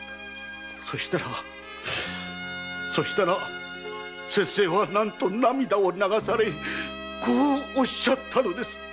そしたら先生は何と涙を流されこうおっしゃったのです。